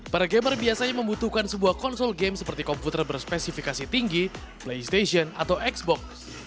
para gamer biasanya membutuhkan sebuah konsol game seperti komputer berspesifikasi tinggi playstation atau xbox